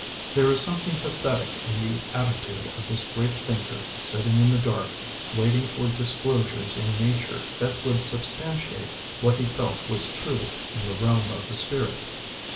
There is something pathetic in the attitude of this great thinker sitting in the dark, waiting for disclosures in nature that would substantiate what he felt was true in the realm of the spirit.